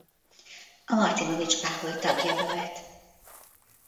A Martinovics-páholy tagja volt.